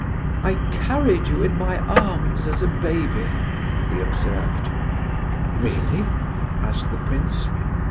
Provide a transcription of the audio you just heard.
"I carried you in my arms as a baby," he observed. "Really?" asked the prince.